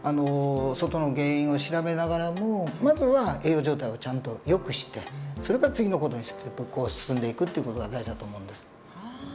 外の原因を調べながらもまずは栄養状態をちゃんとよくしてそれから次の事にステップを進んでいくという事が大事だと思うんです。